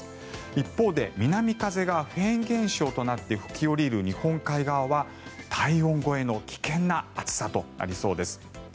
一方で南風がフェーン現象となって吹き下りる日本海側は体温超えの危険な暑さとなりそうです。